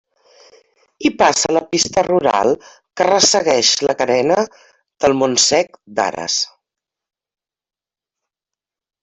Hi passa la pista rural que ressegueix la carena del Montsec d'Ares.